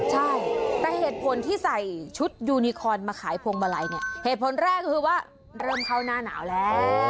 ใช่แต่เหตุผลที่ใส่ชุดยูนิคอนมาขายพวงมาลัยเนี่ยเหตุผลแรกก็คือว่าเริ่มเข้าหน้าหนาวแล้ว